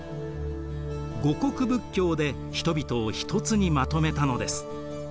護国仏教で人々をひとつにまとめたのです。